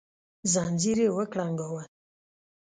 ځنځير يې وکړانګاوه